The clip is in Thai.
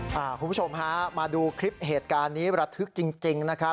คุณผู้ชมฮะมาดูคลิปเหตุการณ์นี้ระทึกจริงนะครับ